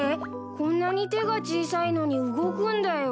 こんなに手が小さいのに動くんだよ。